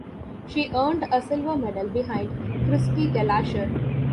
She earned a silver medal behind Kirsty Gallacher.